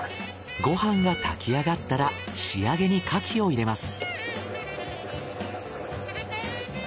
ご飯が炊きあがったら仕上げに牡蠣を入れます。